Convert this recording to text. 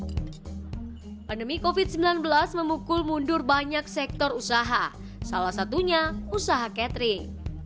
hai pandemi kofit sembilan belas memukul mundur banyak sektor usaha salah satunya usaha catering